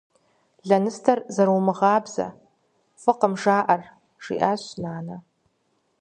- Лэныстэр зэрыумыгъабзэ — фӏыкъым жаӏэр, - жиӏащ нанэ.